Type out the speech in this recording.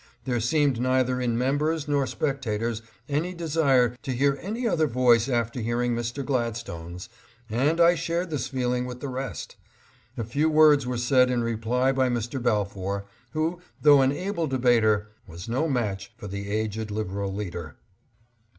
There seemed neither in members nor spectators any desire to hear another voice after hearing Mr. Gladstone's, and I shared this feeling with the rest. A few words were said in reply by Mr. Balfour, who, though an able debater, was no match for the aged Liberal leader.